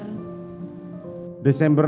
tahu saya desember